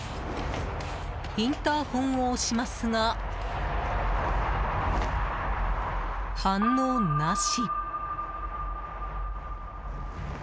インターホンを押しますが反応なし。